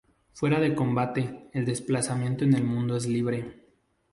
Fuera de combate, el desplazamiento en el mundo es libre.